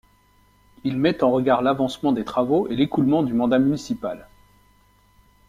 Il met en regard l'avancement des travaux et l'écoulement du mandat municipal.